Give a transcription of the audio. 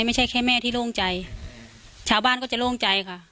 ไม่ใช่แค่แม่ที่โล่งใจชาวบ้านก็จะโล่งใจค่ะ